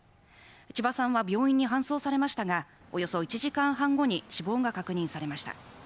千葉さんは病院に搬送されましたがおよそ１時間半後に死亡が確認されました。